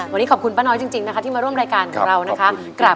วันนี้ขอบคุณป้าน้อยจริงที่มาร่วมรายการของเรา